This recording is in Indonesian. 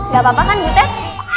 gak apa apa kan butet